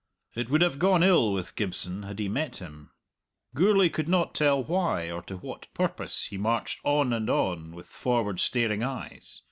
It would have gone ill with Gibson had he met him. Gourlay could not tell why, or to what purpose, he marched on and on with forward staring eyes.